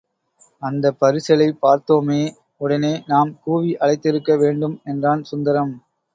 அந்தப் பரிசலைப் பார்த்தோமே, உடனே நாம் கூவி அழைத்திருக்க வேண்டும் என்றான் சுந்தரம்.